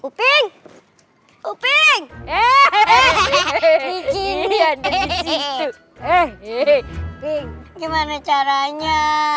upin gimana caranya